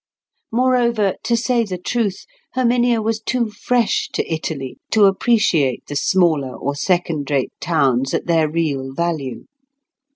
Moreover, to say the truth, Herminia was too fresh to Italy to appreciate the smaller or second rate towns at their real value.